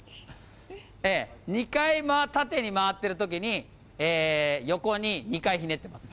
２回縦に回ってるときに、横に２回ひねってます。